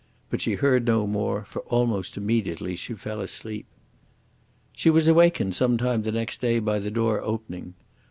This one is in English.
But she heard no more, for almost immediately she fell asleep. She was awakened some time the next day by the door opening.